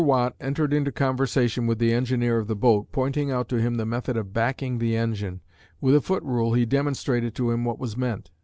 Watt entered into conversation with the engineer of the boat, pointing out to him the method of "backing" the engine. With a footrule he demonstrated to him what was meant.